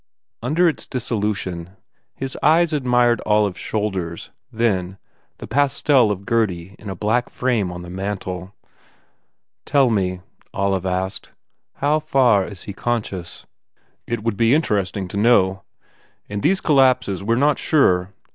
Under its dissolution his eyes ad mired Olive s shoulders then, the pastel of Gurdy in a black frame on the mantel. "Tell me," Olive asked, "how how far is he conscious?" 250 THE I DOLATER "It would be interesting to know. In these collapses we re not sure.